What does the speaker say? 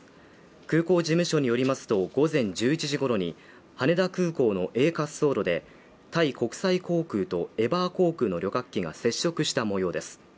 空港事務所によりますと午前１１時ごろに羽田空港の滑走路でタイ国際航空とエバー航空の旅客機が接触した模様です。